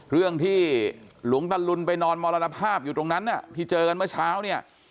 เรื่องที่หลวงตะลุนไปนอนมรณภาพอยู่ตรงนั้นที่เจอกันเมื่อเช้าเนี่ย